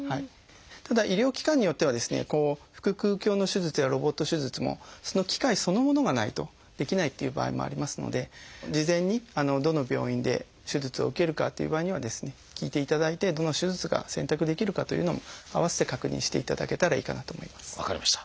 ただ医療機関によってはですね腹腔鏡の手術やロボット手術もその機械そのものがないとできないっていう場合もありますので事前にどの病院で手術を受けるかという場合にはですね聞いていただいてどの手術が選択できるかというのも併せて確認していただけたらいいかなと思います。